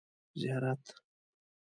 زیارت